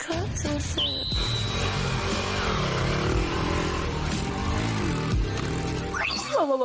เอ่อสุดท้าย